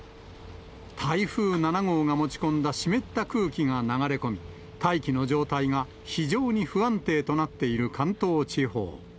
台風７号が持ち込んだ湿った空気が流れ込み、大気の状態が非常に不安定となっている関東地方。